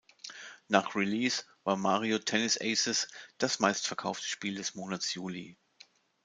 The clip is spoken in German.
Nach Release war "Mario Tennis Aces" das meistverkaufte Spiel des Monats Juli.